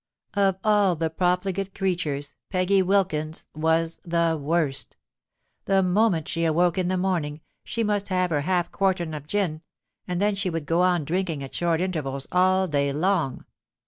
Of all profligate creatures, Peggy Wilkins was the worst. The moment she awoke in the morning, she must have her half quartern of gin; and then she would go on drinking at short intervals all day long.